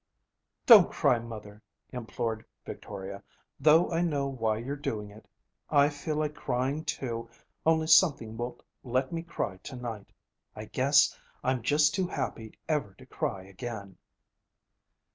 'Don't cry, mother,' implored Victoria, 'though I know why you're doing it. I feel like crying, too, only something won't let me cry to night. I guess I'm just too happy ever to cry again.'